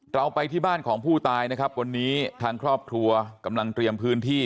เราไปที่บ้านของผู้ตายนะครับวันนี้ทางครอบครัวกำลังเตรียมพื้นที่